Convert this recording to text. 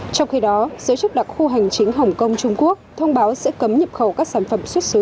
trong khi đó giới chức đặc khu hành chính hồng kông trung quốc thông báo sẽ cấm nhập khẩu các sản phẩm xuất xứ